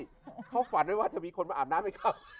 เขาฝันไว้ว่าจะมีคนมาอาบน้ำให้เข้า